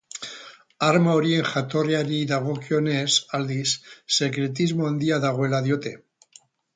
Arma horien jatorriari dagokionez, aldiz, sekretismo handia dagoela diote.